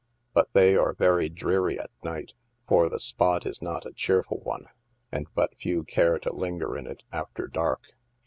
But they are very dreary at night, for the spot is not a cheerful one, and but few care to linger in it after dark.